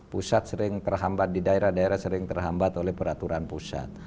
pusat sering terhambat di daerah daerah sering terhambat oleh peraturan pusat